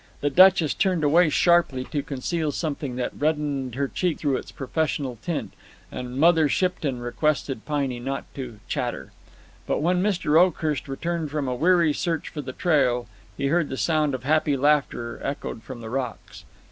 The Duchess turned away sharply to conceal something that reddened her cheeks through its professional tint, and Mother Shipton requested Piney not to "chatter." But when Mr. Oakhurst returned from a weary search for the trail, he heard the sound of happy laughter echoed from the rocks.